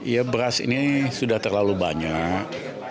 ya beras ini sudah terlalu banyak